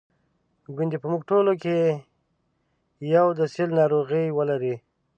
ګوندي په موږ ټولو کې یو د سِل ناروغي ولري.